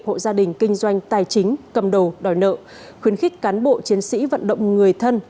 hộ gia đình kinh doanh tài chính cầm đồ đòi nợ khuyến khích cán bộ chiến sĩ vận động người thân